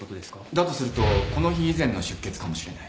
だとするとこの日以前の出血かもしれない。